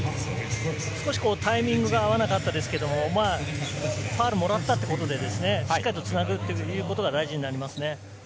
少しタイミングが合わなかったですけど、ファウルをもらったということで、しっかりつなぐということが大事になりますね。